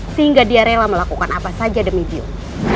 sehingga dia rela melakukan apa saja demi view